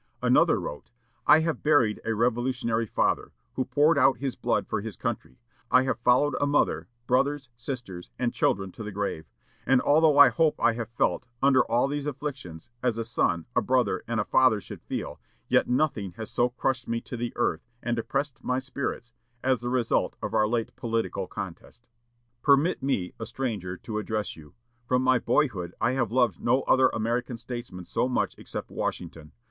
Another wrote: "I have buried a revolutionary father, who poured out his blood for his country; I have followed a mother, brothers, sisters, and children to the grave; and, although I hope I have felt, under all these afflictions, as a son, a brother, and a father should feel, yet nothing has so crushed me to the earth, and depressed my spirits, as the result of our late political contest." "Permit me, a stranger, to address you. From my boyhood I have loved no other American statesman so much except Washington.